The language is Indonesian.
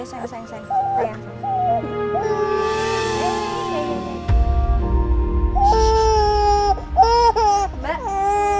kok aku denger kayak ada suara bayi ya